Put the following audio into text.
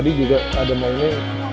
lagi kakek gue juga